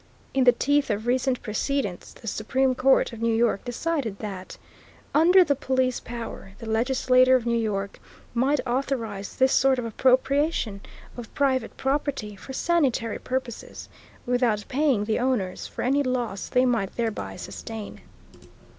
In the teeth of recent precedents the Supreme Court of New York decided that, under the Police Power, the legislature of New York might authorize this sort of appropriation of private property for sanitary purposes, without paying the owners for any loss they might thereby sustain.